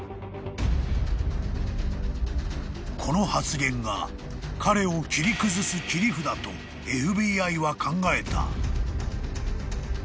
［この発言が彼を切り崩す切り札とＦＢＩは考えた］